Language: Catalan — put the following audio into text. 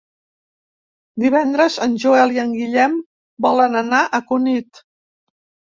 Divendres en Joel i en Guillem volen anar a Cunit.